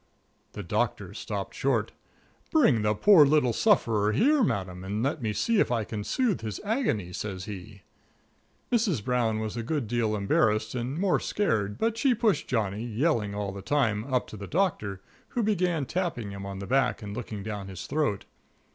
The Doctor stopped short. "Bring the poor little sufferer here, Madam, and let me see if I can soothe his agony," says he. Mrs. Brown was a good deal embarrassed and more scared, but she pushed Johnny, yelling all the time, up to the Doctor, who began tapping him on the back and looking down his throat.